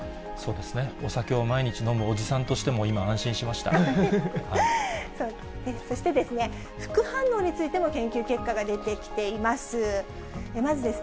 お酒を毎日飲むおじさんとしそして、副反応についても研究結果が出てきています。